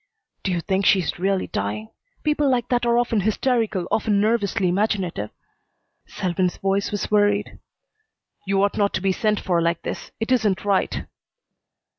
"Do you think she is really dying? People like that are often hysterical, often nervously imaginative." Selwyn's voice was worried. "You ought not to be sent for like this. It isn't right."